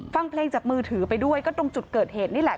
ฟังเพลงจากมือถือไปด้วยก็ตรงจุดเกิดเหตุนี่แหละ